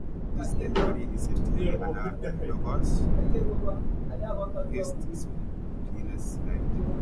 This delivery is entirely analogous to the wristspinner's slider.